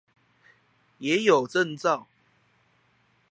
也有證照